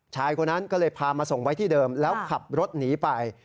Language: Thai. ชายคนนั้นก็เลยพามาส่งไว้ที่เดิมแล้วขับรถหนีไป